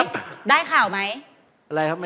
ไม่ได้จริงหรือเปล่า